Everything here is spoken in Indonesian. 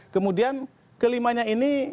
kemudian kelimanya ini